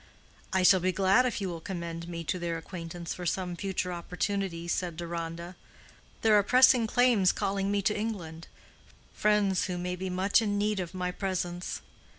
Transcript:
"I shall be glad if you will commend me to their acquaintance for some future opportunity," said Deronda. "There are pressing claims calling me to England—friends who may be much in need of my presence.